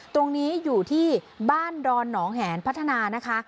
ตรงนี้อยู่ที่บ้านดอนหนองแหนพัฒนานะคะ